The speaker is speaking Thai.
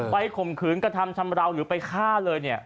ข่มขืนกระทำชำราวหรือไปฆ่าเลยเนี่ย